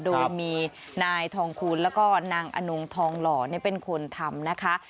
โดยมีนายทองคูณแล้วก็นางอนงทองหล่อเป็นคนทำนะคะ